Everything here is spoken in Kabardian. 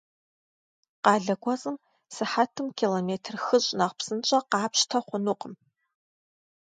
Къалэ кӏуэцӏым сыхьэтым километр хыщӏ нэхъ псынщӏэ къапщтэ хъунукъым.